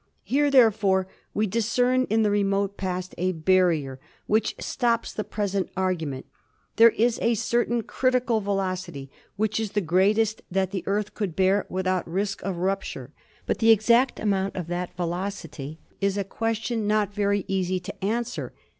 Here, therefore, we discern in the remote past a barrier which stops the pres ent argument. There is a certain critical velocity which is the greatest that the Earth could bear without risk of rup ture, but the exact amount of that velocity is a question not very easy to answer.